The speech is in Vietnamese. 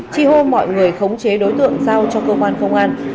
chi hô mọi người khống chế đối tượng giao cho công an phòng an